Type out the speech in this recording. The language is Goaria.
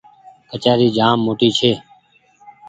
ڪچآري جآم موٽي ڇي۔